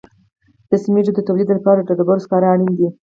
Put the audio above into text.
د سمنټو د تولید لپاره د ډبرو سکاره اړین دي.